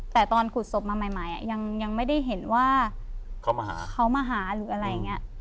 แต่ตอนขุดศพมาใหม่ยังไม่ได้เห็นว่าเขามาหาเขามาหาหรืออะไรอย่างนี้